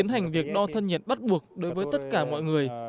hành việc đo thân nhiệt bắt buộc đối với tất cả mọi người